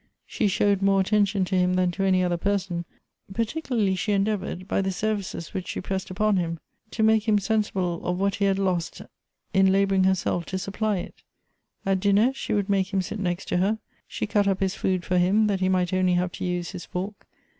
She showed more attention to him than to any other person ; particularly she endeavored, by the services which she pressed upon him, to make him sensi ble of what he had lost in laboring herself to supply it. At dinner, she would make him sit next to her; she cut up his food for him, that he might only have to use his fork.